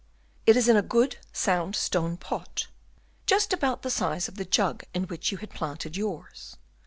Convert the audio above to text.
"It is in a good, sound stone pot, just about the size of the jug in which you had planted yours.